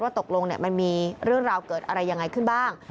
ตกลงมันมีเรื่องราวเกิดอะไรยังไงขึ้นบ้าง